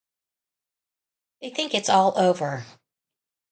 They think it's all over.